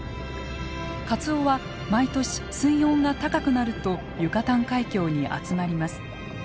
カツオは毎年水温が高くなるとユカタン海峡に集まります。